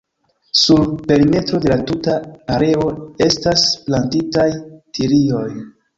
Sur perimetro de la tuta areo estas plantitaj tilioj.